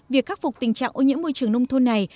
việc khắc phục tình trạng ô nhiễm môi trường nông thôn này